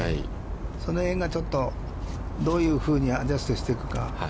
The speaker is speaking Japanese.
その辺がどういうふうにアジャストしていくか。